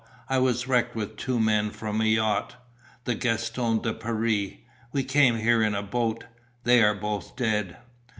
I was wrecked with two men from a yacht. The Gaston de Paris. We came here in a boat. They are both dead."